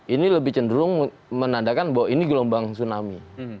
ini lebih cenderung menandakan bahwa ini gelombang tsunami